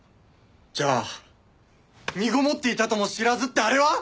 じゃあ「身ごもっていたとも知らず」ってあれは？